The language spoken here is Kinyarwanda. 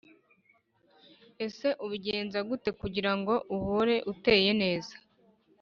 ese ubigenza gute kugira ngo uhore uteye neza